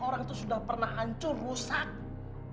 orang itu sudah pernah hancur rusak